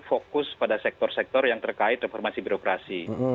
fokus pada sektor sektor yang terkait reformasi birokrasi